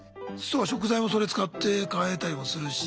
食材もそれ使って買えたりもするし。